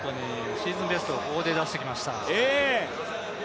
シーズンベストをここで出してきました。